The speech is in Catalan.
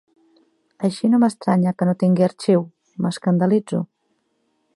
Així no m'estranya que no tingui arxiu! —m'escandalitzo.